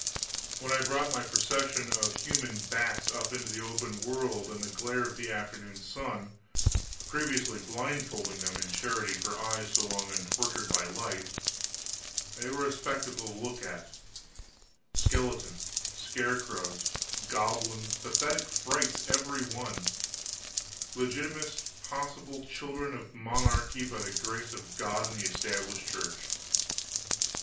When I brought my procession of human bats up into the open world and the glare of the afternoon sun previously blindfolding them, in charity for eyes so long untortured by light they were a spectacle to look at. Skeletons, scarecrows, goblins, pathetic frights, every one; legitimatest possible children of Monarchy by the Grace of God and the Established Church.